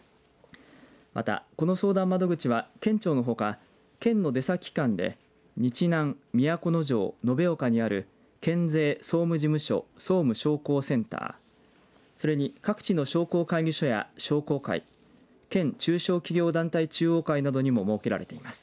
また、この相談窓口は県庁のほか県の出先機関で日南、都城延岡にある県税・総務事務商工センターそれに各地の倉庫商工会議所や商工会県中小企業団体中央会などにも設けられています。